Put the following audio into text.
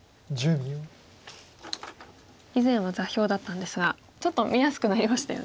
以前は座標だったんですがちょっと見やすくなりましたよね。